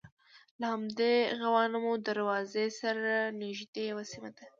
له همدې غوانمه دروازې سره نژدې یوه سیمه ده.